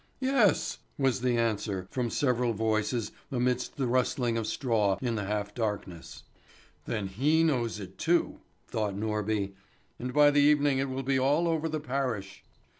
"Yes," was the answer from several voices amidst the rustling of straw in the half darkness. "Then he knows it too!" thought Norby; "and by the evening it will be all over the parish.